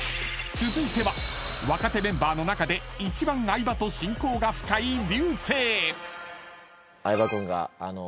［続いては若手メンバーの中で一番相葉と親交が深い］